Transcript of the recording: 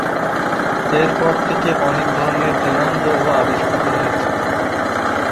এর পর থেকে অনেক ধরণের জেনন যৌগ আবিষ্কৃত হয়েছে।